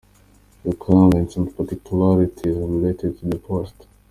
Requirements and Particularities related to the post.